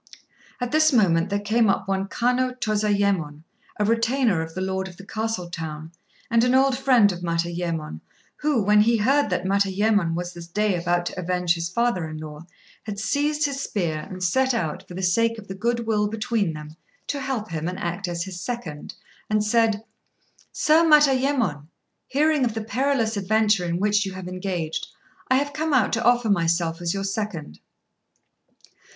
At this moment there came up one Kanô Tozayémon, a retainer of the lord of the castle town, and an old friend of Matayémon, who, when he heard that Matayémon was this day about to avenge his father in law, had seized his spear and set out, for the sake of the good will between them, to help him, and act as his second, and said "Sir Matayémon, hearing of the perilous adventure in which you have engaged, I have come out to offer myself as your second."